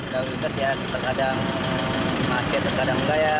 lalu lintas ya terkadang macet terkadang enggak ya